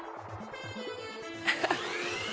ハハハハ。